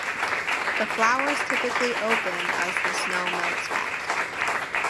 The flowers typically open as the snow melts back.